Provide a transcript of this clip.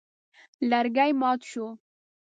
لرګی مات شو.